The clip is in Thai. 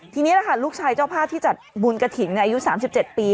ทีนี้แหละค่ะลูกชายเจ้าภาพที่จัดบุญกระถิ่นอายุ๓๗ปี